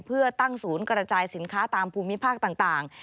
เพื่อตั้งศูนย์กระจายสินค้าตามภูมิภาคต่าง